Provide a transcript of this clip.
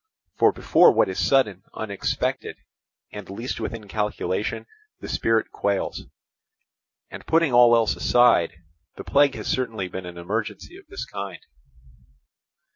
For before what is sudden, unexpected, and least within calculation, the spirit quails; and putting all else aside, the plague has certainly been an emergency of this kind.